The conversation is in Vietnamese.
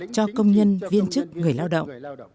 cho công nhân viên chức người lao động